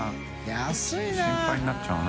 造い諭心配になっちゃうな。